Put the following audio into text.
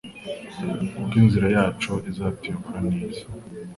kuko inzira yacu izatuyobora neza